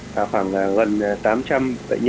khoảng gần tám trăm linh bệnh nhân